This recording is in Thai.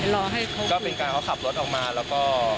รอให้เขาก็เป็นการเขาขับรถออกมาแล้วก็